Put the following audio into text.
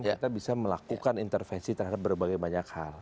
kita bisa melakukan intervensi terhadap berbagai banyak hal